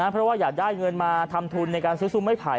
เพราะว่าอยากได้เงินมาทำทุนในการซื้อซุมไม้ไผ่